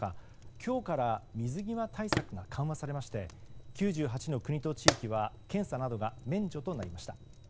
今日から水際対策が緩和されまして９８の国と地域は検査などが免除となりました。